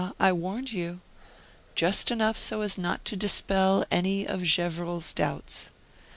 I warned you!" just enough so as not to dispel any of Gevrol's doubts.